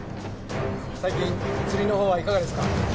最近釣りのほうはいかがですか？